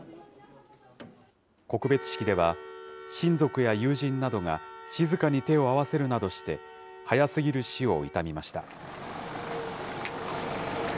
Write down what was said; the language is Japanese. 告別式では、親族や友人などが、静かに手を合わせるなどして、早すぎる死を悼みました。